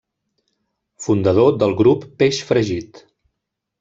Fundador del grup Peix Fregit.